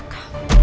ya tuhan miss